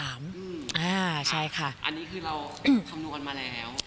อันนี้คือเราคำนวนกันมาแล้ว